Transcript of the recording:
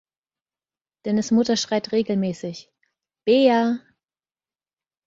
Dennis Mutter schreit regelmäßig; Bea!